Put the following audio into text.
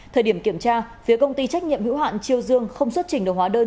thời điểm kiểm tra phía công ty trách nhiệm hữu hạn chiêu dương không xuất trình đồng hóa đơn